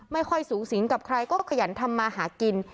ไม่ค่อยสูงสิงกับใครก็ขยันทำมาหากิน